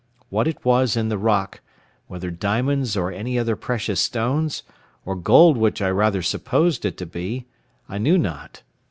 What it was in the rock—whether diamonds or any other precious stones, or gold which I rather supposed it to be—I knew not.